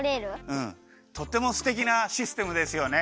うんとってもすてきなシステムですよね。